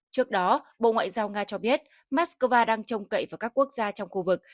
trước đó bộ ngoại giao nga cho biết moscow đang trông cậy vào các quốc gia trong khu vực